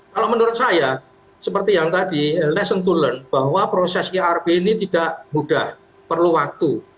kalau menurut saya seperti yang tadi lesson to learned bahwa proses irp ini tidak mudah perlu waktu